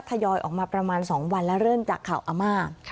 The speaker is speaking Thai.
ยอยออกมาประมาณ๒วันแล้วเริ่มจากข่าวอาม่า